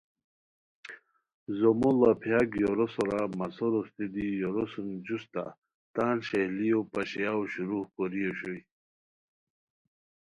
زومو ڑاپھیاک یورو سورا مسو روشتی دی یورو سُم جوستہ تان ݰئیلیو پاشیاؤ شروع کوری اوشوئے